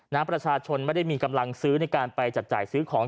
ประชาชนไม่ได้มีกำลังซื้อในการไปจับจ่ายซื้อของ